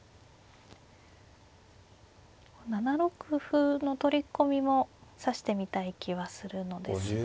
７六歩の取り込みも指してみたい気はするのですが。